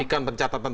iya sebetulnya kan